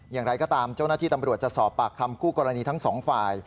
อย่างไรก็ตามเจ้าหน้าที่ตำรวจจะสอบปากคำคู่กรณีทั้งสองฝ่าย